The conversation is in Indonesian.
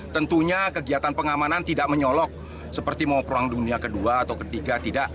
tentunya kegiatan pengamanan tidak menyolok seperti mau perang dunia kedua atau ketiga tidak